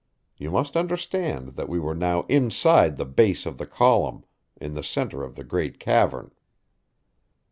(You must understand that we were now inside the base of the column in the center of the great cavern.)